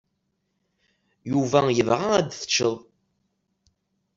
Yuba yebɣa ad teččeḍ.